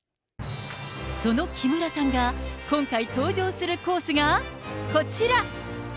その木村さんが、今回登場するコースがこちら。